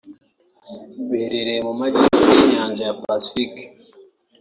biherereye mu majyepfo y’inyanja ya Pacique